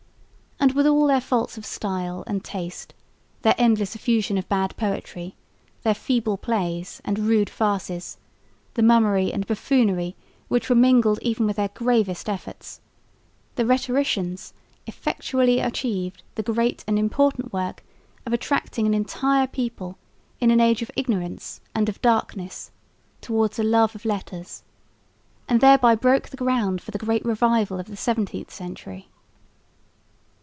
And with all their faults of style and taste, their endless effusion of bad poetry, their feeble plays and rude farces, the mummery and buffoonery which were mingled even with their gravest efforts, the "Rhetoricians" effectually achieved the great and important work of attracting an entire people in an age of ignorance and of darkness towards a love of letters, and thereby broke the ground for the great revival of the 17th century.